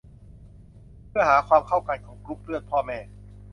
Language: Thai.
เพื่อหาความเข้ากันของกรุ๊ปเลือดพ่อแม่